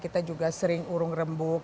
kita juga sering urung rembuk